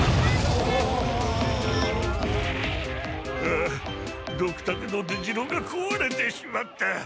ああドクタケの出城がこわれてしまった！